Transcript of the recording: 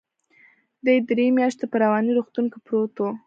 دى درې مياشتې په رواني روغتون کې پروت و.